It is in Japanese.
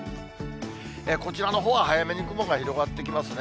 こちらのほうは早めに雲が広がってきますね。